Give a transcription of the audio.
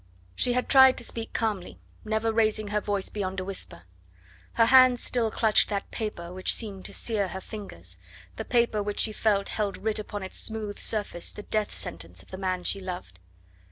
She had tried to speak calmly, never raising her voice beyond a whisper. Her hands still clutched that paper, which seemed to sear her fingers, the paper which she felt held writ upon its smooth surface the death sentence of the man she loved.